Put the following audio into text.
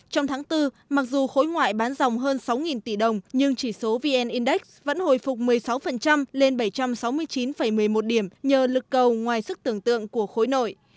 trong tháng bốn mặc dù khối ngoại bán dòng hơn sáu tỷ đồng nhưng chỉ số vn index vẫn hồi phục một mươi sáu lên bảy trăm sáu mươi chín một mươi một điểm nhờ lực cầu ngoài sức tưởng tượng của khối nội